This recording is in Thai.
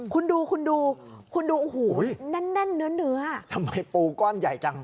คุณดูคุณดูคุณดูโอ้โหแน่นแน่นเนื้อเนื้อทำไมปูก้อนใหญ่จัง